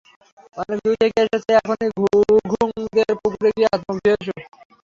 অনেক দূর থেকে এসেছ, এখনই ঘুঘুংদের পুকুরে গিয়ে হাতমুখ ধুয়ে এসো।